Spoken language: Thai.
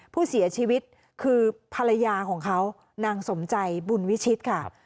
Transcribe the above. ผู้เสียชีวิตคือภรรยาของเขานางสมใจบุญวิชิตค่ะ